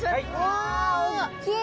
わおっきい！